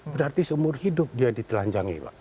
berarti seumur hidup dia ditelanjangi pak